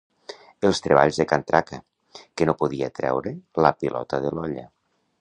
Els treballs de can Traca, que no podia treure la pilota de l'olla.